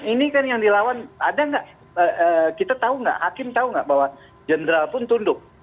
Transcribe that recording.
ini kan yang dilawan ada nggak kita tahu nggak hakim tahu nggak bahwa jenderal pun tunduk